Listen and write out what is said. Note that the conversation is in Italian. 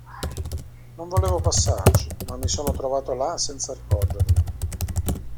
Non volevo passarci, ma mi sono trovato là senza accorgermi.